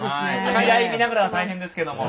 試合を見ながら大変ですけれども。